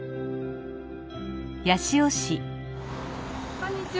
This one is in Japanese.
こんにちは。